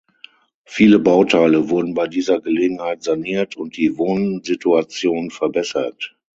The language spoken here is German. Viele Bauteile wurden bei dieser Gelegenheit saniert und die Wohnsituation verbessert.